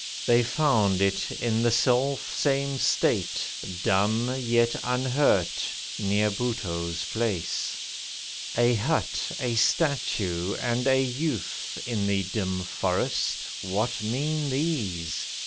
They found it, in the selfsame state, Dumb, yet unhurt, near Buttoo's place. A hut, a statue, and a youth In the dim forest, what mean these?